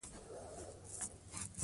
دوی پوښتنه کوله.